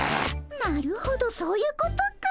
なるほどそういうことかい。